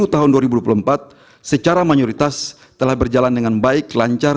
tahun dua ribu dua puluh empat secara mayoritas telah berjalan dengan baik lancar